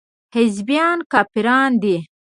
حزبيان کافران دي.